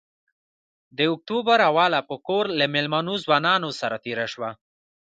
د اکتوبر اوله په کور له مېلمنو ځوانانو سره تېره شوه.